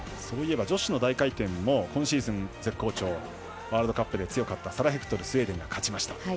そういえば女子の大回転も今シーズン、絶好調ワールドカップで強かったサラ・ヘクトル、スウェーデンが勝ちました。